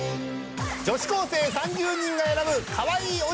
女子高生３０人が選ぶかわいいおじさんは誰？